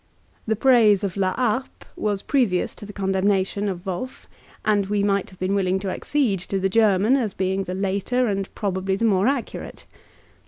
The praise of La Harpe was previous to the condemnation of Wolf; and we might have been willing to accede to the German as being the later and probably the more accurate.